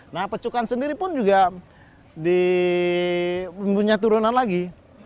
nah pecukan sendiri pun juga punya turunan lagi